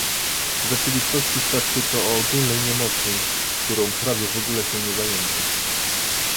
W rzeczywistości świadczy to o ogólnej niemocy, którą prawie w ogóle się nie zajęto